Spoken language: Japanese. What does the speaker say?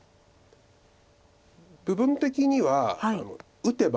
部分的には打てば眼です。